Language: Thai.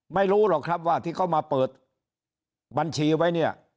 ไม่รู้หรอกครับว่าที่เขามาเปิดบัญชีไว้เนี่ย